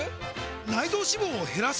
内臓脂肪を減らす！？